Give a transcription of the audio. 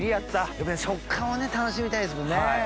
やっぱり食感を楽しみたいですもんね。